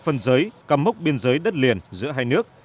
thể hiện quyết tâm của chính phủ hai nước